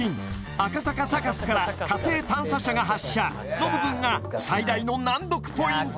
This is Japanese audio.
赤坂サカスから火星探査車が発射の部分が最大の難読ポイント